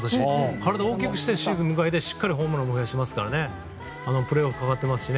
体を大きくしてシーズンを迎えてしっかりホームランを生み出しますからプレーオフがかかってますから。